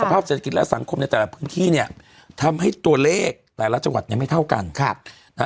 ภาพเศรษฐกิจและสังคมในแต่ละพื้นที่เนี่ยทำให้ตัวเลขแต่ละจังหวัดเนี่ยไม่เท่ากัน